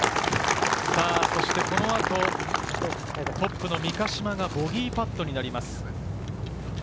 この後トップの三ヶ島がボギーパットになります。